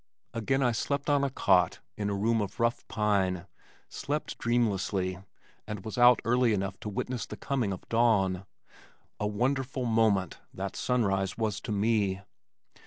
Again I slept on a cot in a room of rough pine, slept dreamlessly, and was out early enough to witness the coming of dawn, a wonderful moment that sunrise was to me.